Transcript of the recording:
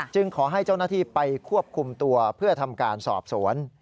ขอให้เจ้าหน้าที่ไปควบคุมตัวเพื่อทำการสอบสวน